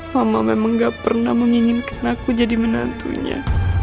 mama memang gak pernah menginginkan aku jadi menantunya